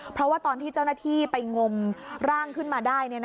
เพราะว่าตอนที่เจ้าหน้าที่ไปงมร่างขึ้นมาได้